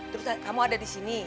terus kamu ada di sini